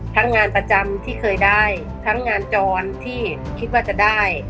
งานประจำที่เคยได้ทั้งงานจรที่คิดว่าจะได้